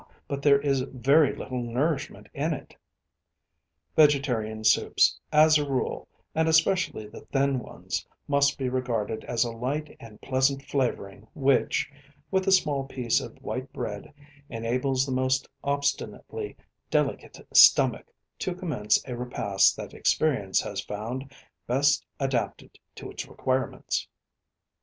but there is very little nourishment in it." Vegetarian soups, as a rule, and especially the thin ones, must be regarded as a light and pleasant flavouring which, with a small piece of white bread enables the most obstinately delicate stomach to commence a repast that experience has found best adapted to its requirements.